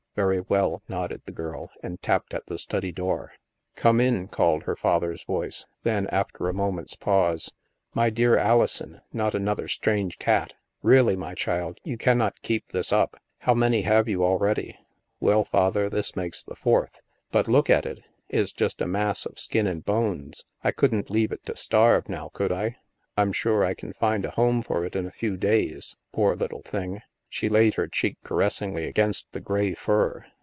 " Very well," nodded the girl, and tapped at the study door. " Come in," called her father's voice, then, after a moment's pause, " My dear Alison, not another strange cat ? Really, my child, you cannot keep this up. How many have you already ?"" Well, Father, this makes the fourth. But look at it! It's just a mass of skin and bones; I couldn't leave it to starve, now could I ? I'm sure I can find a home for it in a few days. Poor little thing !" she laid her cheek caressingly against the gray fur.